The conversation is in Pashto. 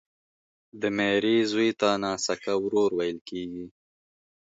د ميرې زوی ته ناسکه ورور ويل کیږي